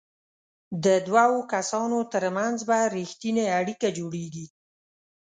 د دوو کسانو ترمنځ به ریښتینې اړیکه جوړیږي.